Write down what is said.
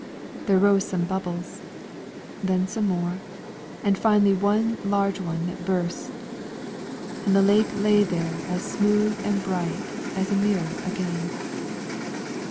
There rose some bubbles, then some more, and finally one large one that burst; and the lake lay there as smooth and bright as a mirror again.